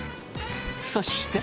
そして。